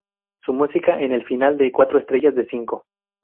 Su música en el final es de cuatro estrellas de cinco.